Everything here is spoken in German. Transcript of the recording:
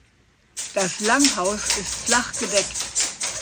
Das Langhaus ist flachgedeckt.